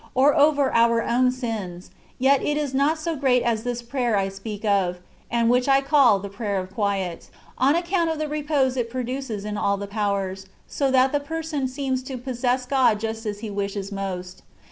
253 or over our own sins, yet it is not so great as this prayer I speak of, and which I call the '^ Prayer of Quiet/' on account of the repose it produces in all the powers, so that the person seems to possess God just as he wishes most.